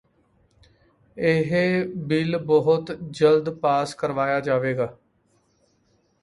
ਇਹ ਬਿੱਲ ਬਹੁਤ ਜਲਦ ਪਾਸ ਕਰਵਾਇਆ ਜਾਵੇਗਾ